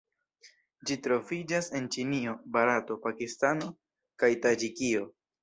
Ĝi troviĝas en Ĉinio, Barato, Pakistano kaj Taĝikio.